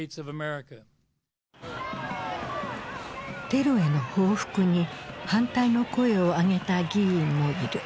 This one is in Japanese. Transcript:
テロへの報復に反対の声を上げた議員もいる。